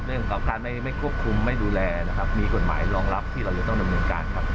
เรื่องของการไม่ควบคุมไม่ดูแลนะครับมีกฎหมายรองรับที่เราจะต้องดำเนินการครับ